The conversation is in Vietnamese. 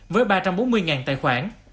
với ba trăm bốn mươi tài khoản